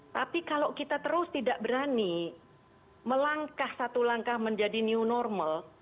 tapi kalau kita terus tidak berani melangkah satu langkah menjadi new normal